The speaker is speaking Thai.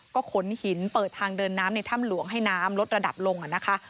ก็ขนหินเปิดทางเดินน้ำในถ้ำหลวงให้น้ำลดระดับลงนะคะ